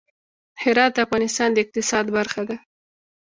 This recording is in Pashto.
هرات د افغانستان د اقتصاد برخه ده.